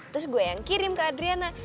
terus gue yang kirim ke adriana